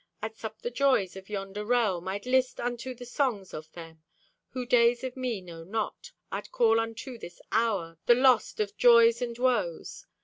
I'd sup the joys of yonder realm. I'd list unto the songs of them Who days of me know not. I'd call unto this hour The lost of joys and woes.